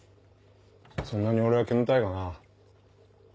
そんなに俺は煙たいかな？